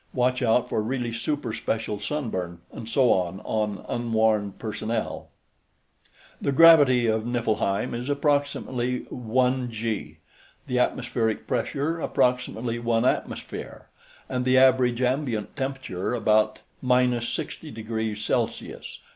(Watch out for really super special sunburn, etc., on unwarned personnel.) The gravity of Niflheim is approximately 1 g, the atmospheric pressure approximately 1 atmosphere, and the average ambient temperature about 60°C; 76°F.